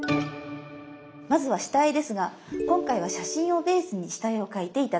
まずは下絵ですが今回は写真をベースに下絵を描いて頂きます。